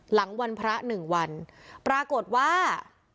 หลังวันพระ๑วันปรากฏว่า